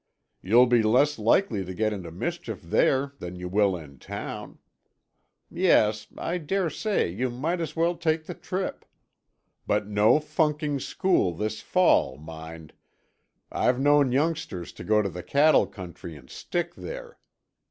"You'll be less likely to get into mischief there than you will in town. Yes, I daresay you might as well take the trip. But no funking school this fall, mind. I've known youngsters to go to the cattle country and stick there.